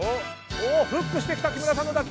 フックしてきた木村さんの打球。